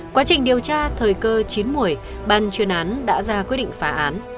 quá trình điều tra thời cơ chiến mũi ban chuyên án đã ra quyết định phá án